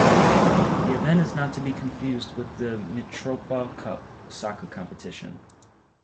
The event is not to be confused with the Mitropa Cup, a soccer competition.